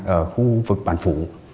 ở khu vực bản phủ